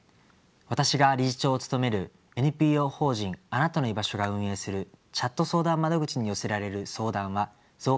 私が理事長を務めるＮＰＯ法人あなたのいばしょが運営するチャット相談窓口に寄せられる相談は増加の一途をたどっています。